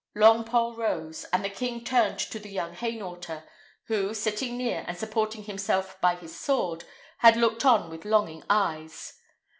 Longpole rose, and the king turned to the young Hainaulter, who, sitting near, and supporting himself by his sword, had looked on with longing eyes.